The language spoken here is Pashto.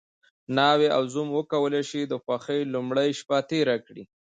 ناوې او زوم وکولی شي د خوښۍ لومړۍ شپه تېره کړي.